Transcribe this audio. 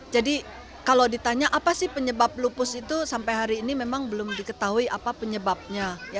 jadi kalau ditanya apa sih penyebab lupus itu sampai hari ini memang belum diketahui apa penyebabnya